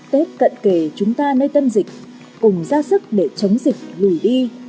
tết cận kề chúng ta nơi tâm dịch cùng ra sức để chống dịch lùi đi